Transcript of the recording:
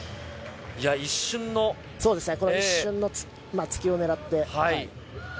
一瞬のすきを狙って。